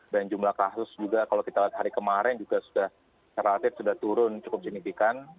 dan jumlah kasus juga kalau kita lihat hari kemarin juga sudah terlatih sudah turun cukup jenis ikan